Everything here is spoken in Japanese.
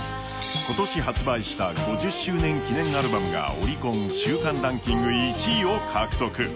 今年発売した５０周年記念アルバムがオリコン週間ランキング１位を獲得